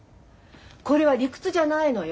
これは理屈じゃないのよ。